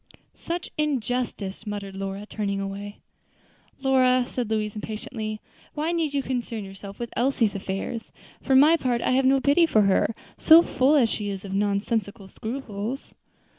"Such injustice!" muttered Lora, turning away. "Lora," said Louise, impatiently, "why need you concern yourself with Elsie's affairs? for my part, I have no pity for her, so full as she is of nonsensical scruples."